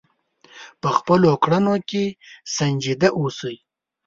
په خپلو کړنو کې سنجیده اوسئ.